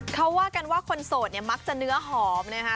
เขาว่ากันว่าคนโสดเนี่ยมักจะเนื้อหอมนะคะ